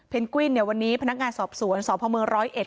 กวินเนี่ยวันนี้พนักงานสอบสวนสพเมืองร้อยเอ็ด